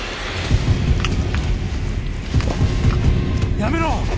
やめろ！